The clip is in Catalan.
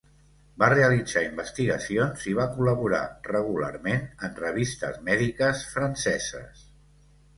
Va realitzar investigacions i va col·laborar regularment en revistes mèdiques franceses.